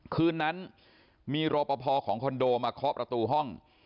คืนนั้นมีรอปภของคอนโดมาเคาะประตูห้อง